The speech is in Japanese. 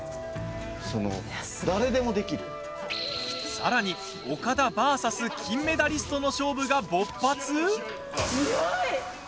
さらに岡田ＶＳ金メダリストの勝負が勃発？